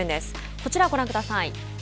こちらご覧ください。